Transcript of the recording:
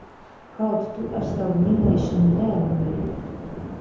Kaut tu ar savu minēšanu mēli norītu!